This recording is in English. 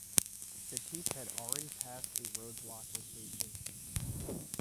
Batisse had already passed a roadblock location.